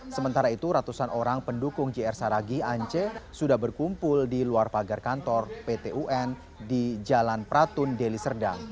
sementara itu ratusan orang pendukung jr saragi ance sudah berkumpul di luar pagar kantor pt un di jalan pratun deli serdang